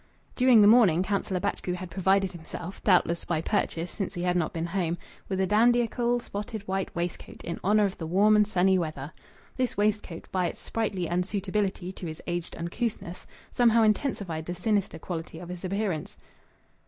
During the morning Councillor Batchgrew had provided himself doubtless by purchase, since he had not been home with a dandiacal spotted white waistcoat in honour of the warm and sunny weather. This waistcoat by its sprightly unsuitability to his aged uncouthness, somehow intensified the sinister quality of his appearance.